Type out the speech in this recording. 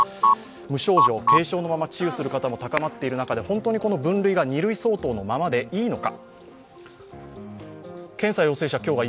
無症状、軽症のまま治癒する方も高まっている中で、本当に分類が二類相当のままでいいのか。